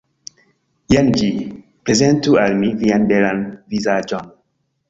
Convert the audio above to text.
Jen ĝi. Prezentu al mi vian belan vizaĝon!